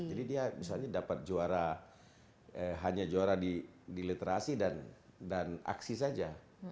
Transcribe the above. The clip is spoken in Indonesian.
dia misalnya dapat juara hanya juara di literasi dan aksi saja